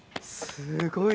すごい！